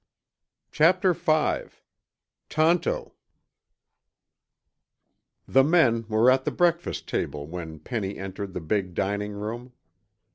Chapter V TONTO The men were at the breakfast table when Penny entered the big dining room.